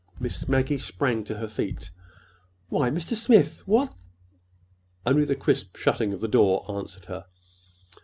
Miss Maggie sprang to her feet. "Why, Mr. Smith, w what—" Only the crisp shutting of the door answered her.